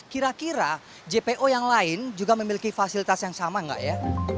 kira kira jpo yang lain juga memiliki fasilitas yang sama nggak ya